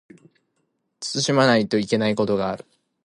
慎まないといけないことがある